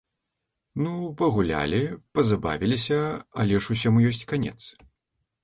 Ну, пагулялі, пазабавіліся, але ж усяму ёсць канец.